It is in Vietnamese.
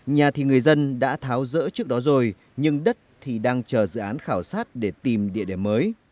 nhà thì người dân đã tháo rỡ trước đó rồi nhưng đất thì đang chờ dự án khảo sát để tìm địa điểm mới